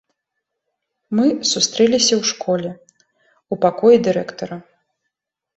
Мы сустрэліся ў школе, у пакоі дырэктара.